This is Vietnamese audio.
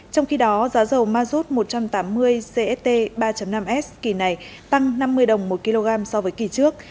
trong khi đó giá dầu mazut một trăm tám mươi cst ba năm s kỳ này tăng năm mươi đồng một kg so với kỳ trước